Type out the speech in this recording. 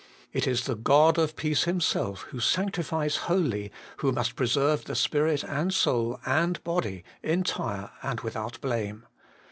It is the God of peace Himself, who sanctifies wholly, who must preserve spirit and soul and body entire and without blame.